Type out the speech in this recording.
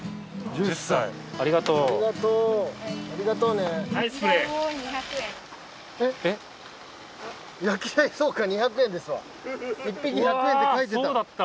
１匹１００円って書いてた。